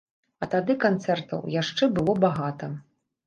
А тады канцэртаў яшчэ было багата!